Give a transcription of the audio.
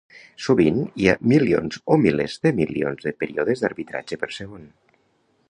Sovint hi ha milions o milers de milions de períodes d'arbitratge per segon.